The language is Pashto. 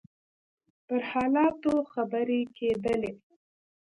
پر حالاتو خبرې کېدلې.